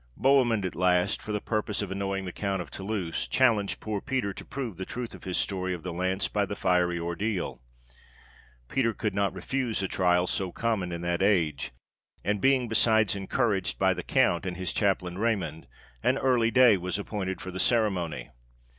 Bohemund at last, for the purpose of annoying the Count of Toulouse, challenged poor Peter to prove the truth of his story of the lance by the fiery ordeal. Peter could not refuse a trial so common in that age, and being besides encouraged by the count and his chaplain Raymond, an early day was appointed for the ceremony.